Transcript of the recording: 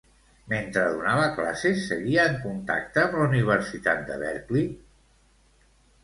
Mentre donava classes seguia en contacte amb la universitat de Berkeley?